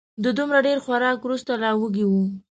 د دومره ډېر خوراک وروسته لا وږی و